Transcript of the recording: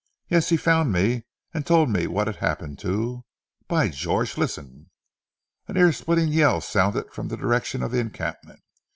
"Yes, he found me, and told me what had happened to By George, listen!" An ear splitting yell sounded from the direction of the encampment.